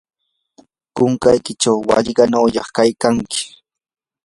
kunkaykichaw wallqanayuq kaykanki.